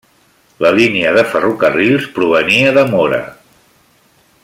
La línia de ferrocarrils provenia de Móra.